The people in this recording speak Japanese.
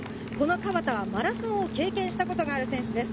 この川田はマラソンを経験したことがある選手です。